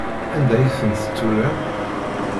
Anda ay tent-turam?